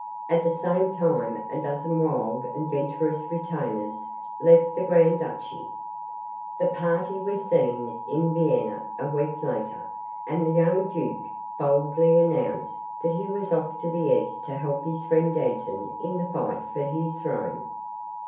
At the same time a dozen wild and venturous retainers left the grand duchy. The party was seen in Vienna a week later, and the young duke boldly announced that he was off to the east to help his friend Dantan in the fight for his throne.